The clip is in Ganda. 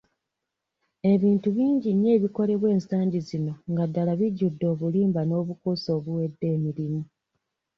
Ebintu bingi nnyo ebikolebwa ensangi zino nga ddala bijjudde obulimba n'obukuusa obuwedde emirimu.